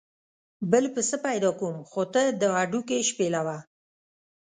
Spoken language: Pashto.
بل پسه پیدا کوم خو ته دا هډوکي شپېلوه.